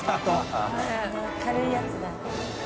あの軽いやつだ。